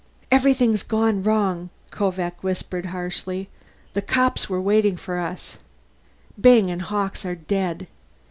"Everything's gone wrong!" Kovak whispered harshly. "The cops were waiting for us! Byng and Hawkes are dead.